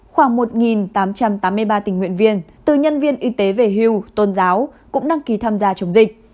khoảng một tám trăm tám mươi ba tình nguyện viên từ nhân viên y tế về hưu tôn giáo cũng đăng ký tham gia chống dịch